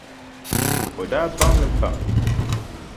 O daa baŋ li pam.